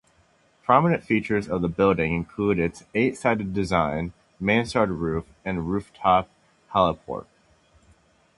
Prominent features of the building include its eight-sided design, mansard roof and rooftop heliport.